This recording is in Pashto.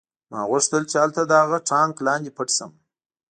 ما هم غوښتل چې هلته د هغه ټانک لاندې پټ شم